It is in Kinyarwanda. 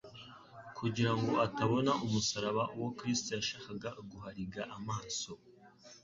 kugira ngo atabona umusaraba uwo Kristo yashakaga guhariga amaso.